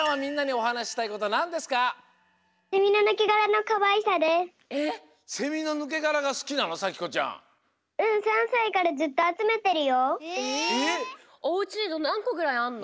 おうちになんこぐらいあんの？